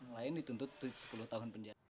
lain dituntut sepuluh tahun penjara